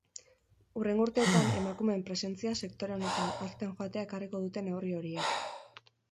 Hurrengo urteetan emakumeen presentzia sektore honetan hazten joatea ekarriko dute neurri horiek.